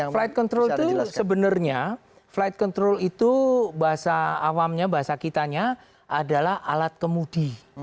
flight control itu sebenarnya flight control itu bahasa awamnya bahasa kitanya adalah alat kemudi